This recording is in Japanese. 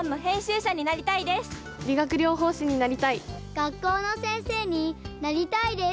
学校の先生になりたいです。